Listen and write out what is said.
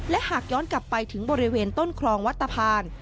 และหากย้อนกลับไปถึงบริเวณต้นคลองวัดตะพาน